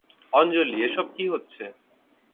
আঞ্জলি এসব কি হচ্ছে?